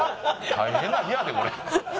大変な日やでこれ。